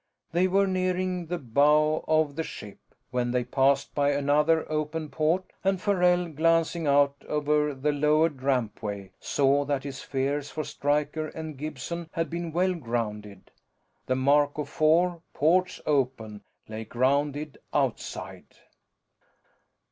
They were nearing the bow of the ship when they passed by another open port and Farrell, glancing out over the lowered rampway, saw that his fears for Stryker and Gibson had been well grounded. The Marco Four, ports open, lay grounded outside.